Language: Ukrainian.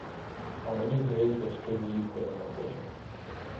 А мені здається, що з'їсти мене хоче.